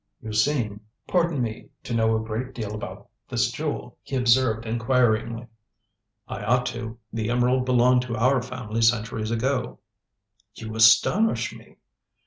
"You seem pardon me to know a great deal about this jewel," he observed inquiringly. "I ought to. The emerald belonged to our family centuries ago." "You astonish me."